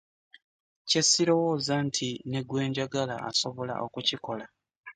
Kye ssrowooza nti negwenjagala asobola okukikola .